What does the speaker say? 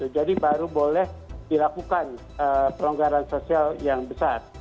jadi baru boleh dilakukan pelonggaran sosial yang besar